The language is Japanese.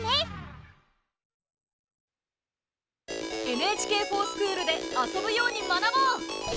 「ＮＨＫｆｏｒＳｃｈｏｏｌ」で遊ぶように学ぼう！